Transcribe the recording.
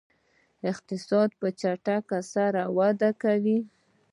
اقتصاد په چټکۍ سره وده وکړه.